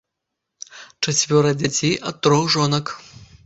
Чацвёра дзяцей ад трох жонак.